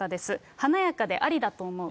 華やかでありだと思う。